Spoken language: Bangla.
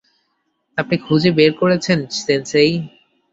আপনি খুঁজে বের করেছেন, সেনসেই?